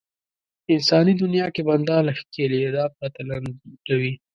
انساني دنيا کې بنده له ښکېلېدا پرته لنډوي.